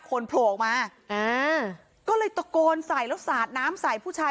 โผล่ออกมาอ่าก็เลยตะโกนใส่แล้วสาดน้ำใส่ผู้ชาย